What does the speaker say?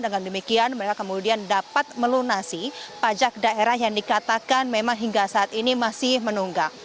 dengan demikian mereka kemudian dapat melunasi pajak daerah yang dikatakan memang hingga saat ini masih menunggak